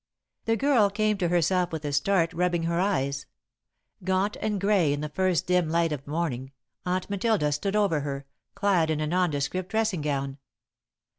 The girl came to herself with a start, rubbing her eyes. Gaunt and grey in the first dim light of morning, Aunt Matilda stood over her, clad in a nondescript dressing gown.